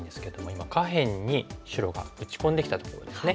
今下辺に白が打ち込んできたところですね。